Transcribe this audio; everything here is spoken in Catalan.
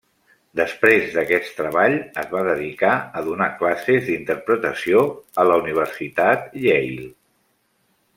Després d'aquest treball es va dedicar a donar classes d'interpretació a la Universitat Yale.